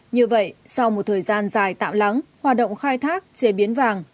như vậy sau một thời gian dài tạm lắng hoạt động khai thác chế biến vàng